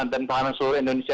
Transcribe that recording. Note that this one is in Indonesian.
dan pahlawan seluruh indonesia